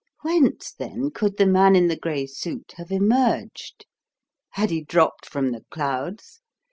Whence, then, could the man in the grey suit have emerged? Had he dropped from the clouds?